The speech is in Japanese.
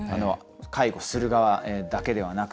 介護する側だけではなく。